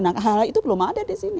nah hal itu belum ada disini